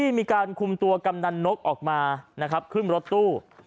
มีการคุมตัวกำนันนกออกมานะครับขึ้นรถตู้